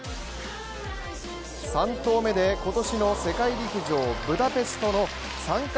３投目で今年の世界陸上ブタペストの参加